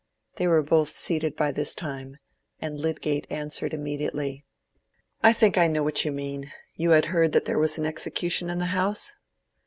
They were both seated by this time, and Lydgate answered immediately— "I think I know what you mean. You had heard that there was an execution in the house?"